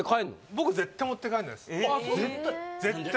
僕絶対持って帰んないです・絶対！？